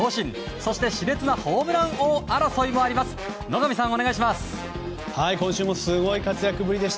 そして熾烈なホームラン王争いもあります。